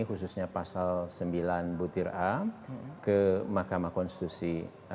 khususnya pasal sembilan butir a ke mahkamah konstitusi